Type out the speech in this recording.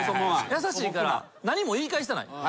優しいから何も言い返してない。